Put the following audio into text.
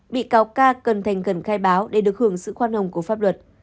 bị cao ca cần thành gần khai báo để được hưởng sự khoan hồng của pháp luật